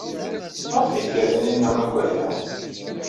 Maɣef ay tga Taninna akk aya?